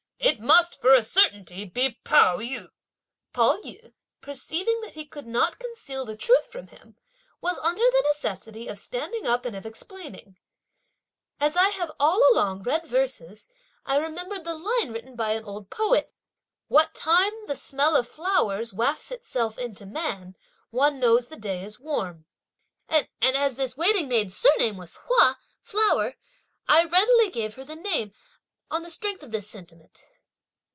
It must, for a certainty, be Pao yü!" Pao yü perceiving that he could not conceal the truth from him, was under the necessity of standing up and of explaining; "As I have all along read verses, I remembered the line written by an old poet: "What time the smell of flowers wafts itself into man, one knows the day is warm. "And as this waiting maid's surname was Hua (flower), I readily gave her the name, on the strength of this sentiment."